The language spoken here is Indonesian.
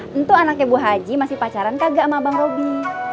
tentu anaknya bu haji masih pacaran kagak sama bang roby